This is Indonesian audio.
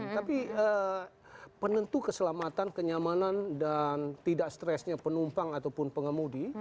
tapi penentu keselamatan kenyamanan dan tidak stresnya penumpang ataupun pengemudi